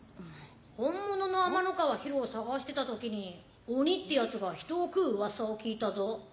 ・本物のアマノカワヒロを捜してたときに鬼ってやつが人を食う噂を聞いたぞ。